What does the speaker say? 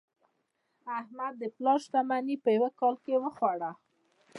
احمد د پلار شتمني په یوه کال کې وخوړه.